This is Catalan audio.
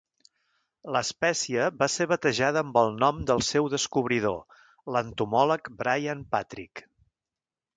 L'espècie va ser batejada amb el nom del seu descobridor, l'entomòleg Brian Patrick.